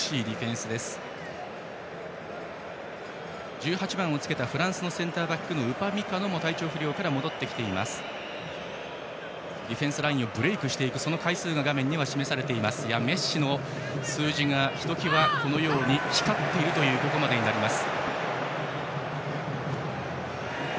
ディフェンスラインをブレークしていくその回数が画面に出ていましたがメッシの数字がひときわ光っているというここまでです。